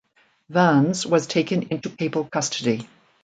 Vannes was taken into papal custody.